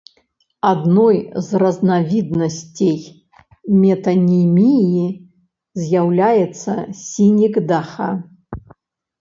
Адной з разнавіднасцей метаніміі з'яўляецца сінекдаха.